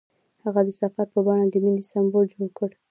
هغه د سفر په بڼه د مینې سمبول جوړ کړ.